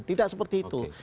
tidak seperti itu